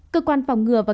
cơ quan phòng ngừa và